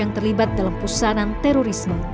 yang terlibat dalam pusanan terorisme